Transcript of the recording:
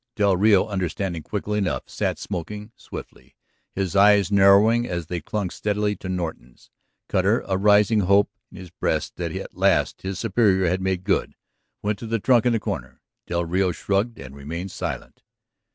Del Rio, understanding quickly enough, sat smoking swiftly, his eyes narrowing as they clung steadily to Norton's. Cutter, a rising hope in his breast that at last his superior had made good, went to the trunk in the corner. Del Rio shrugged and remained silent.